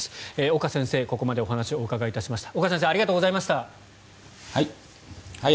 岡先生、ここまでお話をお伺いいたしました。